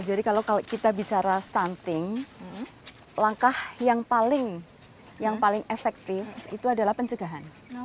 jadi kalau kita bicara stunting langkah yang paling efektif itu adalah pencegahan